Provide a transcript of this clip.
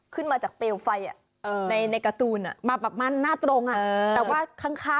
ขึ้นมาจากเปลวไฟในการ์ตูนมาประมาณหน้าตรงแต่ว่าข้าง